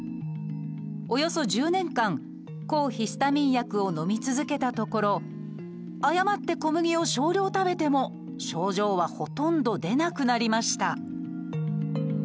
およそ１０年間抗ヒスタミン薬をのみ続けたところ誤って小麦を少量食べても症状はほとんど出なくなりました。